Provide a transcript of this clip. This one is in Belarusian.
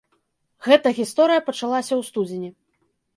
Гэта гісторыя пачалася ў студзені.